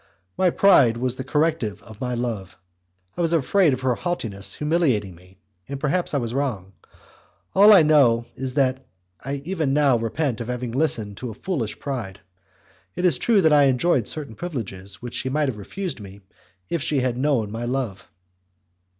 My pride was the corrective of my love. I was afraid of her haughtiness humiliating me, and perhaps I was wrong. All I know is that I even now repent of having listened to a foolish pride. It is true that I enjoyed certain privileges which she might have refused me if she had known my love.